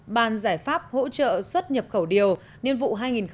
ban giải pháp hỗ trợ xuất nhập khẩu điều niên vụ hai nghìn một mươi tám hai nghìn một mươi chín